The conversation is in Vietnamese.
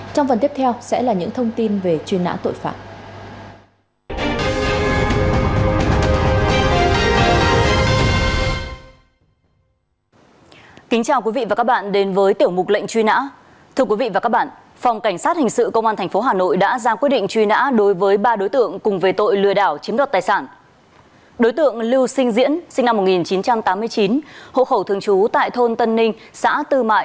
trong phần tiếp theo sẽ là những thông tin về chuyên nãn tội phạm